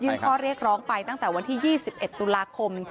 ยืนฮอเรียกร้องไปตั้งแต่วันที่ยี่สิบเอ็ดตุลาคม